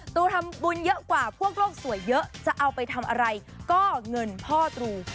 ตูทำบุญเยอะกว่าพวกโลกสวยเยอะจะเอาไปทำอะไรก็เงินพ่อตรู